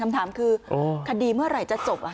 คำถามคือคดีเมื่อไหร่จะจบ